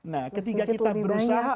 nah ketika kita berusaha